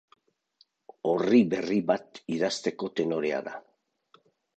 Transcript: Orri berri bat idazteko tenorea da.